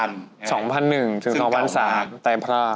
๒๐๐๑ถึง๒๐๐๓แต่ภาพ